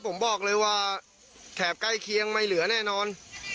ผมบอกเลยว่าแถบใกล้เคียงไม่เหลือแน่นอน